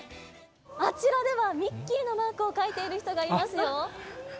あちらでは、ミッキーのマークを描いている人がいますよ。